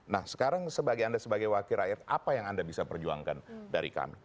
nah sekarang sebagai anda sebagai wakil rakyat apa yang anda bisa perjuangkan dari kami